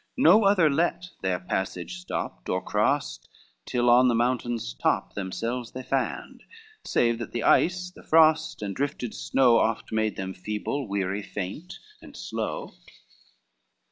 No other let their passage stopped or crossed; Till on the mountain's top themselves they land, Save that the ice, the frost, and drifted snow, Oft made them feeble, weary, faint and slow.